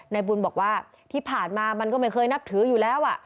นายบุญบอกว่าที่ผ่านมามันก็ไม่เคยนับถืออยู่แล้ว